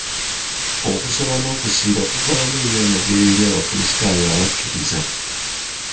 Okusaba n'okusiiba kuvaamu eby'amagero eri abakulisitaayo abakkiriza.